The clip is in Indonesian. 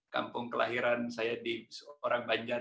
kampung kelahiran saya di orang banjar